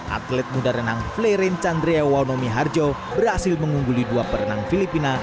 atlet muda renang fleiren candria wawonomi harjo berhasil mengungguli dua perenang filipina